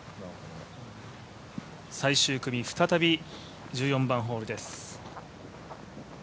最終組、再び１４番ホールです。